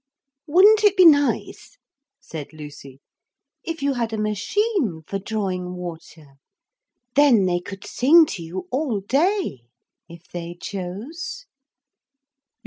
'Wouldn't it be nice,' said Lucy, 'if you had a machine for drawing water. Then they could sing to you all day if they chose.'